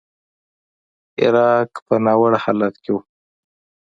عراق په ناوړه حالت کې و.